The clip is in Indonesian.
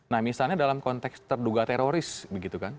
nah misalnya dalam konteks terduga teroris begitu kan